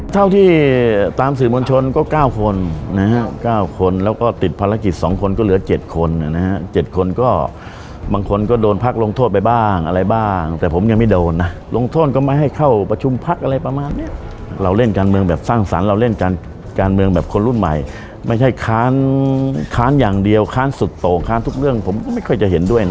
เท่าที่ตามสื่อมวลชนก็๙คนนะฮะ๙คนแล้วก็ติดภารกิจ๒คนก็เหลือ๗คนนะฮะ๗คนก็บางคนก็โดนพักลงโทษไปบ้างอะไรบ้างแต่ผมยังไม่โดนนะลงโทษก็ไม่ให้เข้าประชุมพักอะไรประมาณเนี้ยเราเล่นการเมืองแบบสร้างสรรค์เราเล่นการเมืองแบบคนรุ่นใหม่ไม่ใช่ค้านค้านอย่างเดียวค้านสุดโตค้านทุกเรื่องผมก็ไม่ค่อยจะเห็นด้วยนะ